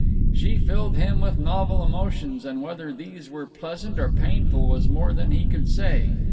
She filled him with novel emotions, and whether these were pleasant or painful was more than he could say.